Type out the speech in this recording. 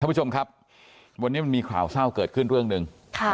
ผู้ชมครับวันนี้มันมีข่าวเศร้าเกิดขึ้นเรื่องหนึ่ง